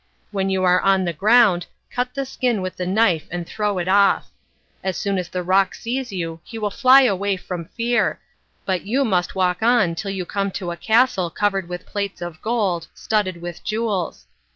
When you are on the ground cut the skin with the knife and throw it off. As soon as the roc sees you he will fly away from fear, but you must walk on till you come to a castle covered with plates of gold, studded with jewels.